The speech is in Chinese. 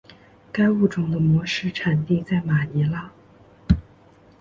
该物种的模式产地在马尼拉。